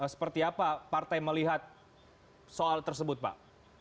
seperti apa partai melihat soal tersebut pak